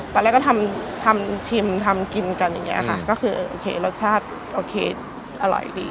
ตอนแรกก็ทำทำชิมทำกินกันอย่างนี้ค่ะก็คือโอเครสชาติโอเคอร่อยดี